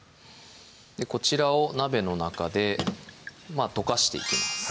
こちらを鍋の中で溶かしていきます